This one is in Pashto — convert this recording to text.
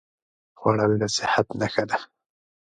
خوړل د صحت نښه ده